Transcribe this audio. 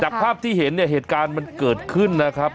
ภาพที่เห็นเนี่ยเหตุการณ์มันเกิดขึ้นนะครับ